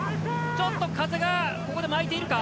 ちょっと風がここで巻いているか？